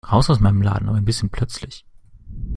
Raus aus meinem Laden, aber ein bisschen plötzlich!